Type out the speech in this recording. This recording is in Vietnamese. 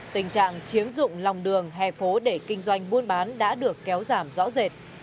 tình trạng chiếm dụng lòng đường hè phố để kinh doanh buôn bán đã được kéo giảm rõ rệt